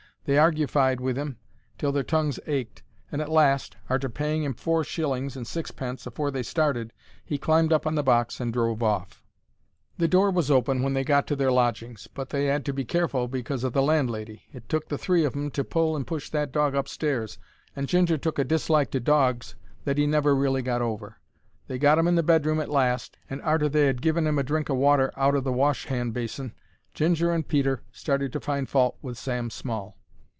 They argufied with 'im till their tongues ached, and at last, arter paying 'im four shillings and sixpence afore they started, he climbed up on the box and drove off. The door was open when they got to their lodgings, but they 'ad to be careful because o' the landlady. It took the three of 'em to pull and push that dog upstairs, and Ginger took a dislike to dogs that 'e never really got over. They got 'im in the bedroom at last, and, arter they 'ad given 'im a drink o' water out o' the wash hand basin, Ginger and Peter started to find fault with Sam Small.